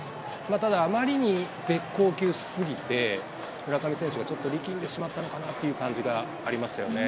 ただ、あまりに絶好球すぎて、村上選手がちょっと力んでしまったかなという感じがありましたよね。